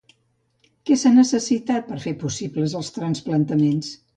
Què s'ha necessitat per fer possibles els trasplantaments?